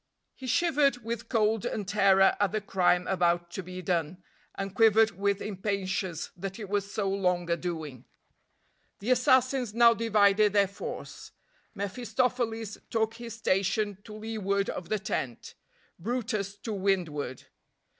He shivered with cold and terror at the crime about to be done, and quivered with impatience that it was so long a doing. The assassins now divided their force. mephistopheles took his station to leeward of the tent; brutus to windward.